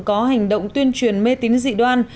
có hành động tuyên truyền mê tín dị đoan